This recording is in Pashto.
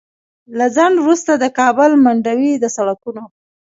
له ځنډ وروسته د کابل منډوي د سړکونو